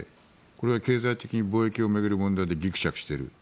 これは経済的、貿易を巡る問題でぎくしゃくしている。